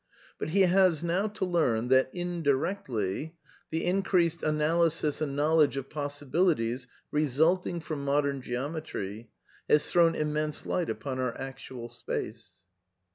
But he has now to learn that " in directly, the increased analysis and knowledge of possibili ties resulting from modern Geometry has thrown immense light upoij our actual space."